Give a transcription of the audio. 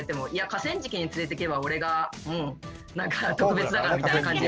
河川敷に連れていけば俺がもう特別だからみたいな感じ。